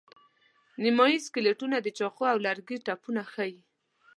نیمایي سکلیټونه د چاقو او لرګي ټپونه ښيي.